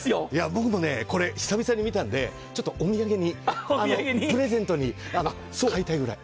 僕もこれ久々に見たんでちょっとお土産にプレゼントに買いたいぐらい。